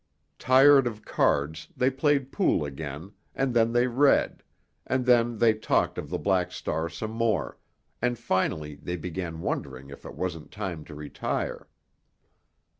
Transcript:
Tired of cards, they played pool again, and then they read, and then they talked of the Black Star some more, and finally they began wondering if it wasn't time to retire.